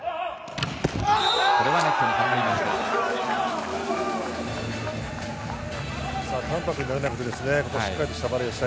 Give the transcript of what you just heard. これはネットにかかりました。